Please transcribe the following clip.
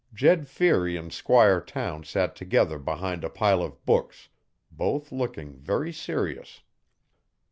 Jed Feary and Squire Town sat together behind a pile of books, both looking very serious.